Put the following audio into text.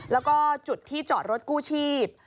แล้วก็จุดที่จอดรถกู้ชีพ